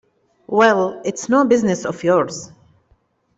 Well, it's no business of yours.